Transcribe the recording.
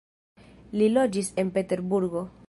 Li loĝis en Peterburgo.